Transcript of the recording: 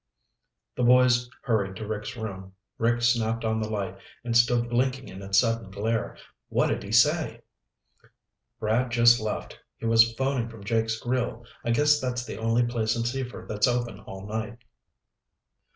The boys hurried to Rick's room. Rick snapped on the light and stood blinking in its sudden glare. "What did he say?" "Brad just left. He was phoning from Jake's Grill. I guess that's the only place in Seaford that's open all night."